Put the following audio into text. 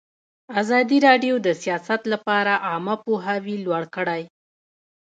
ازادي راډیو د سیاست لپاره عامه پوهاوي لوړ کړی.